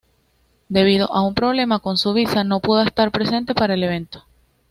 Debido a un problema con su visa no pudo estar presente para el evento.